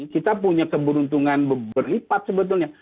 kita punya keberuntungan berlipat sebetulnya